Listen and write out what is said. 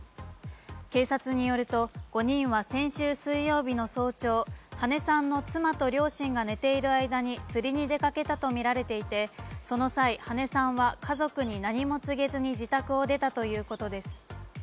警察によると、５人は先週水曜日の早朝羽根さんの妻と両親が寝ている間に、釣りに出かけたとみられていて、その際、羽根さんは家族に何も告げずに自宅を出たということです